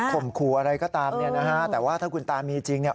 มขู่อะไรก็ตามเนี่ยนะฮะแต่ว่าถ้าคุณตามีจริงเนี่ย